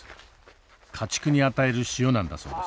家畜に与える塩なんだそうです。